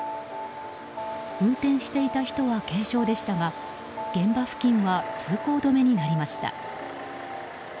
運転していた人は軽傷でしたが現場付近は通行止めになりました。